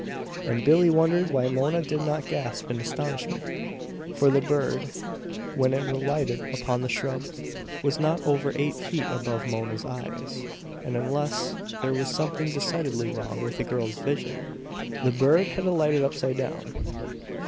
And Billie wondered why Mona did not gasp in astonishment. For the bird, when it alighted upon the shrub, was not over eight feet above Mona's eyes; and unless there was something decidedly wrong with the girl's vision, the bird had alighted upside down!